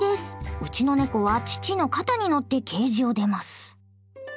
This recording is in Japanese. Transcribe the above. うちのネコは父の肩に乗ってケージを出ます。